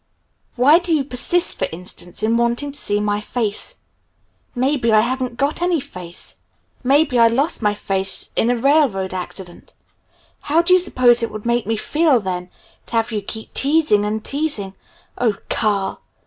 Why do you persist, for instance, in wanting to see my face? Maybe I haven't got any face! Maybe I lost my face in a railroad accident. How do you suppose it would make me feel, then, to have you keep teasing and teasing. Oh, Carl!